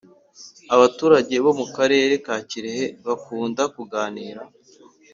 Abaturage bo mukarere ka kirehe bakunda kuganira